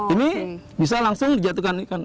ini bisa langsung dijatuhkan ikan